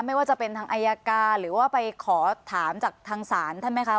ไม่ว่าจะเป็นทางอายการหรือว่าไปขอถามจากทางศาลท่านไหมคะ